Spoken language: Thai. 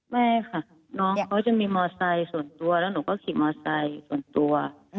ไม่ค่ะน้องเขาจะมีมอไซค์ส่วนตัวแล้วหนูก็ขี่มอไซค์ส่วนตัว